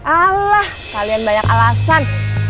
alah kalian banyak alasan